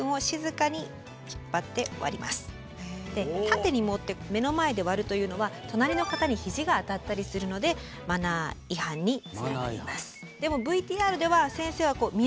縦に持って目の前で割るというのは隣の方にひじが当たったりするのでマナー違反につながります。